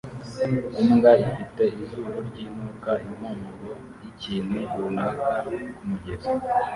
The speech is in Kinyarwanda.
Imbwa ifite izuru ryinuka impumuro yikintu runaka kumugezi